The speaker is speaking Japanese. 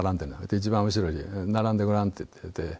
一番後ろで「並んでごらん」って言われて。